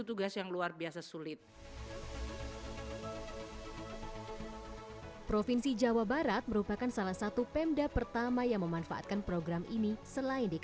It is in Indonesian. tugas yang luar biasa sulit provinsi jawa barat merupakan salah satu pemda pertama yang memanfaatkan